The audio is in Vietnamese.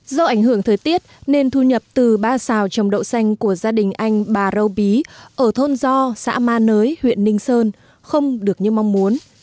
do ảnh hưởng thời tiết nên thu nhập từ ba sao trong đậu xanh của gia đình anh bà râu bí ở thôn do xã ma nới huyện ninh sơn không được như mong muốn